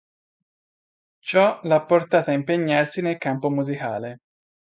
Ciò l'ha portata a impegnarsi nel campo musicale.